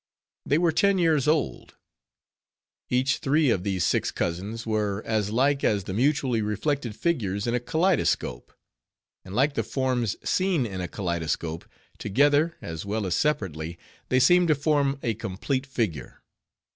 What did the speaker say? They were ten years old. Each three of these six cousins were as like as the mutually reflected figures in a kaleidoscope; and like the forms seen in a kaleidoscope, together, as well as separately, they seemed to form a complete figure.